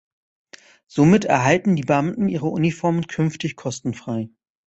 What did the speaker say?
Somit erhalten die Beamten ihre Uniform künftig kostenfrei.